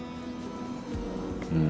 うん。